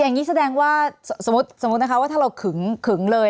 อย่างนี้แสดงว่าสมมุตินะคะว่าถ้าเราขึงเลย